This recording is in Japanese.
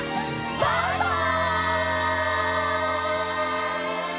バイバイ！